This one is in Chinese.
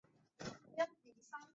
咸度适中又带点微甘